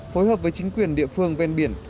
phối hợp với chính quyền địa phương ven biển